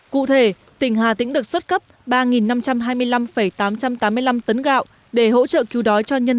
cụ thể tỉnh hà tĩnh được xuất cấp ba năm trăm hai mươi năm tám trăm tám mươi năm tấn gạo để hỗ trợ cứu đoàn